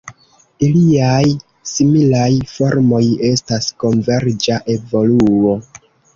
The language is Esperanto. Iliaj similaj formoj estas konverĝa evoluo.